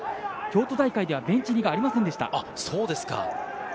京都大会ではベンチ入りがありませんでした。